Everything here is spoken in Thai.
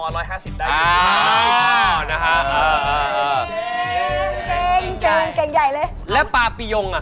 ไม่ให้ป๊าพี่ย่ง